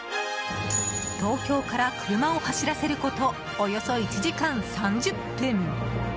東京から車を走らせることおよそ１時間３０分。